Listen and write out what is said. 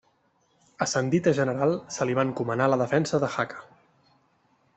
Ascendit a general se li va encomanar la defensa de Jaca.